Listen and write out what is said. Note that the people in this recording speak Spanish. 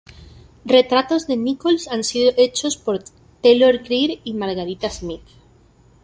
Retratos de Nichols han sido hechos por Taylor Greer y Margarita Smyth.